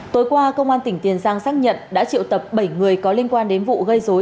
tối qua công an tỉnh tiền giang xác nhận đã triệu tập bảy người có liên quan đến vụ gây dối